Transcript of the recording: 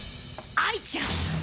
愛愛ちゃん！